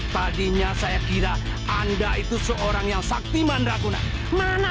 tadinya saya kira anda itu seorang yang saktiman raguna